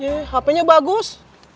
ya hpnya bagus